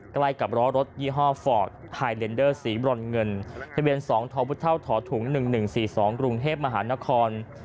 ใกล้กับล้อรถยี่ห้อฟอร์ดไฮเลนเดอร์สีบรอนเงินทะเบียน๒ทพถุง๑๑๔๒กรุงเทพมหานคร